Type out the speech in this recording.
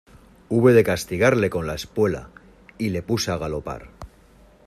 hube de castigarle con la espuela, y le puse al galope.